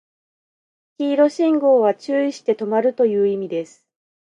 黄色信号は注意して止まるという意味です